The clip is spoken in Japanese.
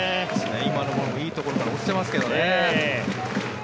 今のボールもいいところから落ちてますけどね。